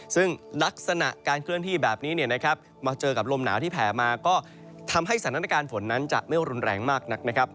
ซึ่งลักษณะการเคลื่อนที่แบบนี้มาเจอกับลมหนาวที่แผ่มาก็ทำให้สถานการณ์ฝนนั้นจะไม่รุนแรงมากนักนะครับ